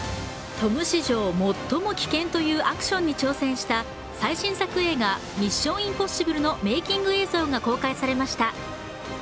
トム史上最も危険というアクションに挑戦した最新作映画「ミッション：インポッシブル」のメイキング映像が公開されました。